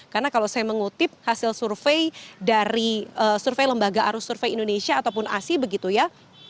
karena kalau saya mengutip hasil survei dari survei lembaga arus survei indonesia ataupun asi begitu ya